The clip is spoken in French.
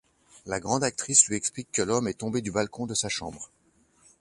La grande actrice lui explique que l'homme est tombé du balcon de sa chambre.